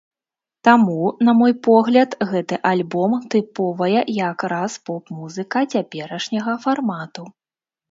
Таму, на мой погляд, гэты альбом тыповая як раз поп-музыка цяперашняга фармату.